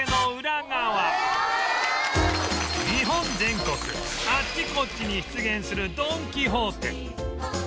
日本全国あっちこっちに出現するドン・キホーテ